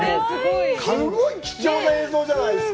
すごい貴重な映像じゃないですか。